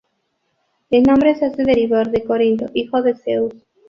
El nombre se hace derivar de Corinto, hijo de Zeus.